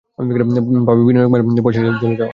পাবে বিনিয়োগ মানে পয়সা জলে যাওয়া।